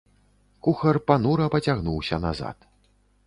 Кухар панура пацягнуўся назад.